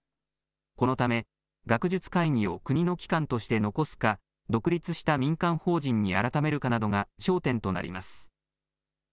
このため学術会議を国の機関として残すか独立した民間法人に改めるかなどが焦点となります。